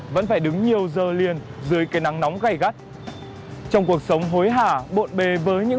vẫn phải đứng nhiều giờ liền dưới cây nắng nóng gây gắt trong cuộc sống hối hả bộn bề với những